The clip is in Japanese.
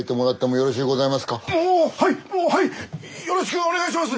よろしくお願いします！